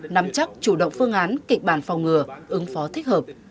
nắm chắc chủ động phương án kịch bản phòng ngừa ứng phó thích hợp